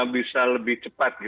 bisa lebih cepat